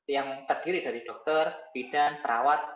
yang terdiri dari dokter bidan perawat